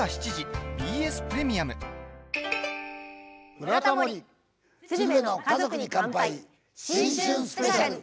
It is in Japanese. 「ブラタモリ×鶴瓶の家族に乾杯新春スペシャル」。